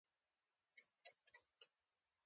د دې لویې وچې لرغونو تمدنونو څرخ او سپاره اختراع نه کړل.